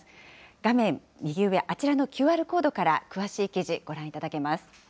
画面右上、あちらのＱＲコードから詳しい記事、ご覧いただけます。